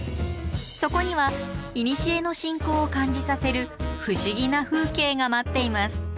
そこにはいにしえの信仰を感じさせる不思議な風景が待っています。